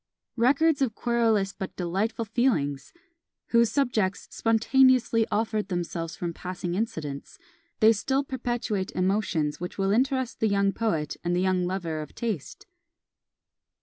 Records of querulous but delightful feelings! whose subjects spontaneously offered themselves from passing incidents; they still perpetuate emotions which will interest the young poet and the young lover of taste.